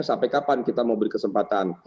sampai kapan kita mau beri kesempatan